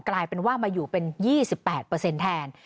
กลายเป็นว่ามาอยู่เป็น๒๘เปอร์เซ็นต์แทน